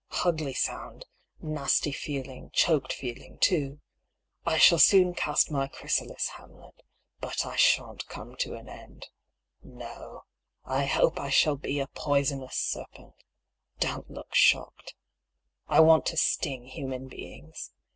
" Ugly sound ; nasty feeling ; choked feeling, « too. I shall soon cast my chrysalis, Hamlet. I sha'n't come to an end. No. I hope I shall be a poisonous serpent. Don't look shocked. I want to sting human beings.